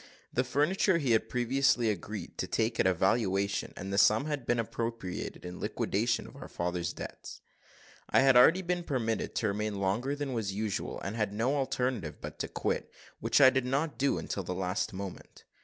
The furniture he had previously agreed to take at a valuation, and the sum had been appropriated in liquidation of our father's debts. I had already been permitted to remain longer than was usual, and had no alternative but to quit, which I did not do until the last moment.